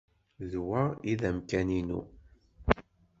D wa ay d amkan-inu.